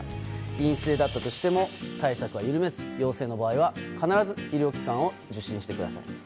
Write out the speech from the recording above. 陰性だったとしても対策は緩めず陽性の場合は必ず医療機関を受診してください。